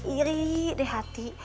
iri deh hati